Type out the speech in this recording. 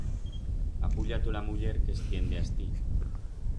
Ha puyato la muller que estiende astí.